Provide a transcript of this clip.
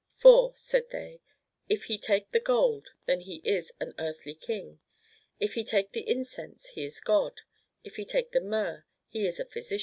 For, said they, if he take the Gold, then he is an earthly King ; if he take the Incense he is God ; if he take the Myrrh he is a Physician.